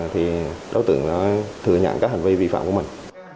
thì đối tượng đã thừa nhận các hành vi vi phạm của mình